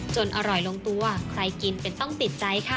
อร่อยลงตัวใครกินเป็นต้องติดใจค่ะ